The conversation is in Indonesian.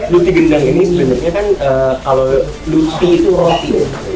luti gendang ini sebenernya kan kalau luti itu roti